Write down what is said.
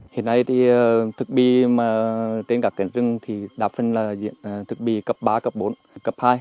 hiện nay thì thực bị trên các tỉnh rừng thì đa phân là thực bị cấp ba cấp bốn cấp hai